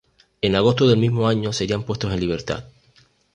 En agosto del mismo año serían puestos en libertad.